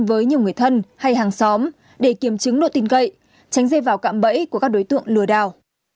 với nhiều người thân hay hàng xóm để kiểm chứng độ tình cậy tránh dây vào cạm bẫy của các đối tượng lừa đào